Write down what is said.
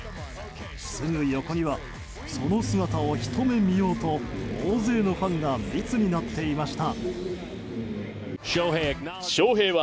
すぐ横にはその姿をひと目見ようと大勢のファンが列になっていました。